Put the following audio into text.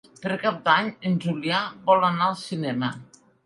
Per Cap d'Any en Julià vol anar al cinema.